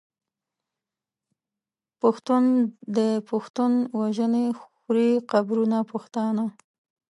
پښتون دی پښتون وژني خوري قبرونه پښتانه